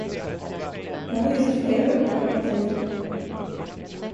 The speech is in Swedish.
Jag har just flera uppdrag åt dig.